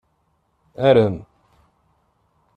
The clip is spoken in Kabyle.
Arem.